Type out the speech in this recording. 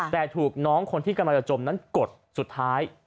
แต่ถูกน้องคนที่กำลังจะจมนั้นกดสุดท้าย